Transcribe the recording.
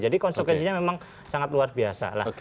jadi konsekuensinya memang sangat luar biasa lah